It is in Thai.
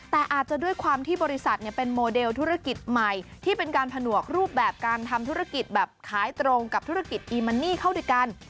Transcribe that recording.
แต่อาจจะด้วยความที่บริษัทเป็นโมเดลธุรกิจใหม่ที่เป็นการผนวกรูปแบบการทำธุรกิจแบบขายตรงกับธุรกิจอีมันนี่เข้าด้วยกัน